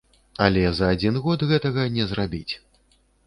Але за адзін год гэтага не зрабіць.